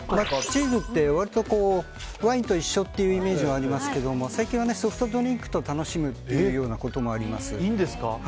チーズって割とワインと一緒というイメージがありますけど最近はソフトドリンクと楽しむということもあります。